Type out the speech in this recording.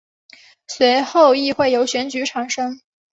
随后议会由选举产生。